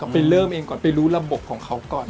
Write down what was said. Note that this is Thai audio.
ไปเริ่มเองก่อนไปรู้ระบบของเขาก่อน